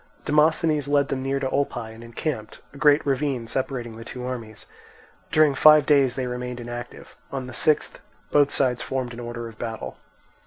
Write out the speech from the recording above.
Demosthenes led them near to Olpae and encamped, a great ravine separating the two armies. During five days they remained inactive; on the sixth both sides formed in order of battle.